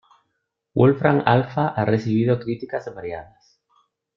Wolfram Alpha ha recibido críticas variadas.